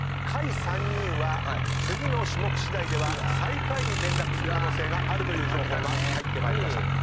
下位３人は次の種目しだいでは最下位に転落する可能性があるという情報が入ってまいりました。